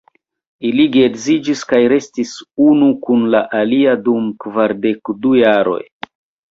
Ili geedziĝis kaj restis unu kun la alia dum kvardek-du jaroj.